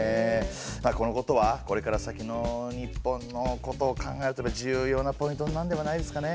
このことはこれから先の日本のことを考えると重要なポイントになるのではないですかね。